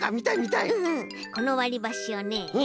このわりばしをね